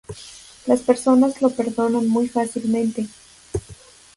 Las personas lo perdonan muy fácilmente.